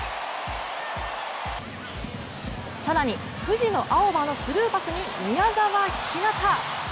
更に、藤野あおばのスルーパスに宮澤ひなた。